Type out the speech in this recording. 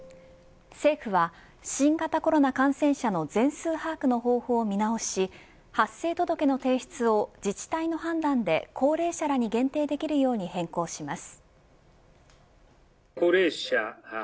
政府は、新型コロナ感染者の全数把握の方法を見直し発生届の提出を自治体の判断で高齢者らに限定できるように変更します。